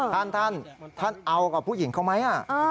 ท่านท่านเอากับผู้หญิงเขาไหม